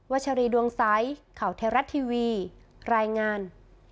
วัชรีดวงซ้ายเข่าเทราะทีวีรายงาน